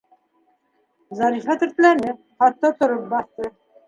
Зарифа тертләне, хатта тороп баҫты.